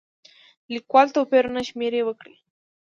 لیکوال توپیرونه شمېرې وکړي.